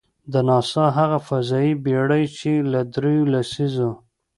د ناسا هغه فضايي بېړۍ، چې له درېیو لسیزو .